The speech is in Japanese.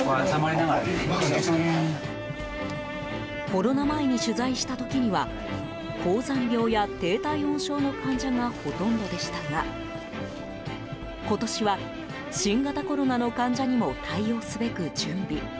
コロナ前に取材した時には高山病や低体温症の患者がほとんどでしたが今年は新型コロナの患者にも対応すべく準備。